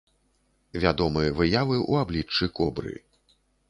Вядомы выявы ў абліччы кобры.